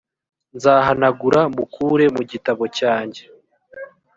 nzahanagura mukure mu gitabo cyanjye